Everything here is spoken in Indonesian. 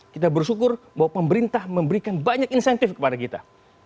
kita bersyukur bahwa pemerintah memberikan banyak insentif kepada kita